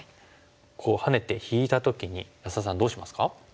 こうハネて引いた時に安田さんどうしますか？